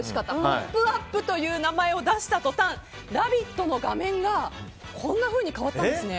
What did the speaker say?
「ポップＵＰ！」という名前を出した途端「ラヴィット！」の画面がこんなふうに変わったんですね。